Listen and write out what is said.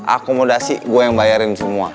akomodasi gue yang bayarin semua